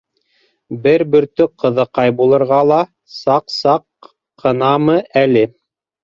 —Бер бөртөк ҡыҙыҡай булырға ла саҡ-саҡ ҡынамын әле!